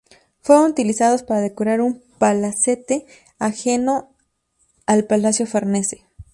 Fueron utilizados para decorar un palacete anejo al Palacio Farnese.